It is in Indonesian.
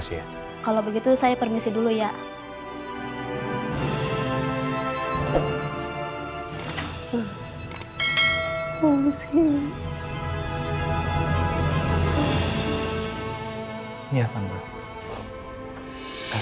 sampai jumpa di video selanjutnya